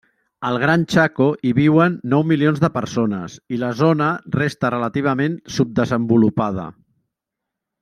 Al Gran Chaco, hi viuen nou milions de persones i la zona resta relativament subdesenvolupada.